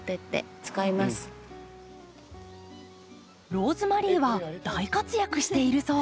ローズマリーは大活躍しているそう。